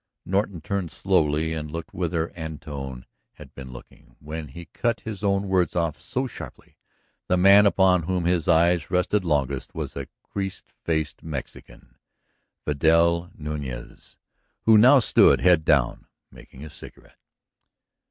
Norton turned slowly and looked whither Antone had been looking when he cut his own words off so sharply. The man upon whom his eyes rested longest was a creased faced Mexican, Vidal Nuñez, who now stood, head down, making a cigarette.